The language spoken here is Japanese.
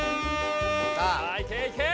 さあいけいけ！